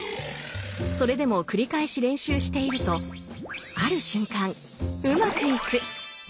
それでも繰り返し練習しているとある瞬間うまくいく。